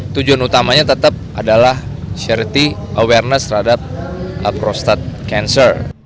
tujuan utamanya tetap adalah charity awareness terhadap prostat cancer